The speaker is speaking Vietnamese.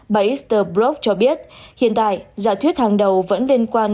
bà esther brock cho biết hiện tại giả thuyết hàng đầu vẫn liên quan